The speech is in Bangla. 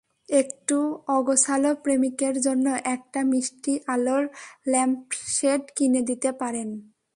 একটু অগোছালো প্রেমিকের জন্য একটা মিষ্টি আলোর ল্যাম্পশেড কিনে দিতে পারেন।